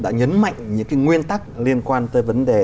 đã nhấn mạnh những cái nguyên tắc liên quan tới vấn đề